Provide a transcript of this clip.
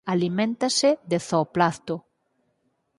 Aliméntase de zooplancto.